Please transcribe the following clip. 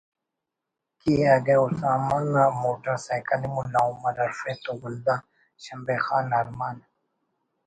کہ اگہ اسامہ نا موٹر سائیکلءِ ملا عمر ہرفے تو ولدا شمبے خان نا ارمان